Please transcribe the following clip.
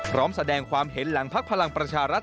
พร้อมแสดงความเห็นหลังพักพลังประชารัฐ